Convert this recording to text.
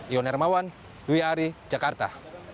ion hermawan dwi ari jakarta